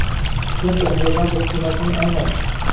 Fikrimcha, Niderlandiya hukumatining aynan